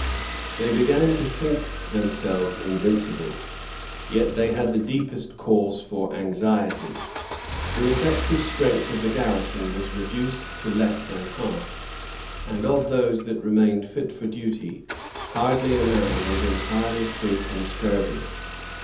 They began to think themselves invincible; yet they had the deepest cause for anxiety. The effective strength of the garrison was reduced to less than half, and of those that remained fit for duty, hardly a man was entirely free from scurvy.